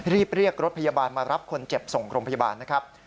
รีบเรียกรถพยาบาลมารับคนเจ็บส่งโรงพยาบาลนะครับ